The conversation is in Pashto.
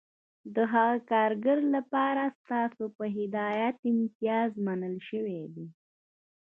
د هغه کارګر لپاره ستاسو په هدایت امتیاز منل شوی دی